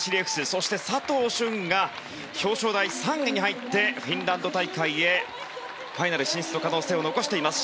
そして、佐藤駿が表彰台３位に入ってフィンランド大会へファイナル進出の可能性を残しています。